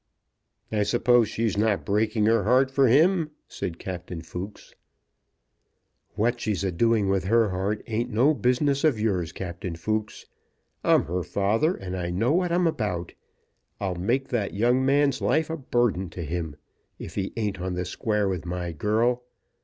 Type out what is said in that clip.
"I suppose she's not breaking her heart for him?" said Captain Fooks. "What she's a doing with her heart ain't no business of yours, Captain Fooks. I'm her father, and I know what I'm about. I'll make that young man's life a burden to him, if 'e ain't on the square with my girl.